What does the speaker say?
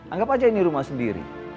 anggap aja ini rumah sendiri